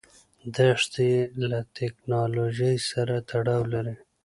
دښتې له تکنالوژۍ سره تړاو لري.